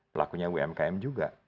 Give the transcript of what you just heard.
pelakunya umkm juga